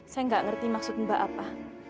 saya nggak ngerti maksud mbak apa